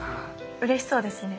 うれしそうですね。